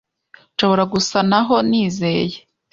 Nshobora gusa naho nizeye,